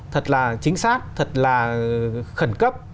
thật là chính xác thật là khẩn cấp